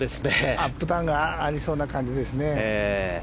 アップダウンがありそうな感じですね。